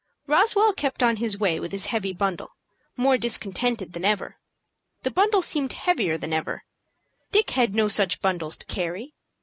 Roswell kept on his way with his heavy bundle, more discontented than ever. The bundle seemed heavier than ever. Dick had no such bundles to carry.